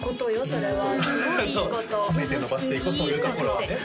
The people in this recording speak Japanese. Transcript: それはすごいいいこと褒めて伸ばしていこうそういうところはね